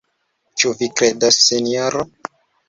Ĉu vi kredos, sinjoro?